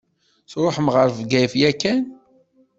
Tṛuḥem ɣer Bgayet yakan?